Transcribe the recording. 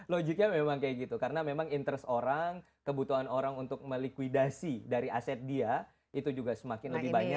logiknya memang kayak gitu karena memang interest orang kebutuhan orang untuk melikuidasi dari aset dia itu juga semakin lebih banyak